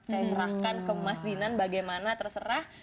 saya serahkan ke mas dinan bagaimana terserah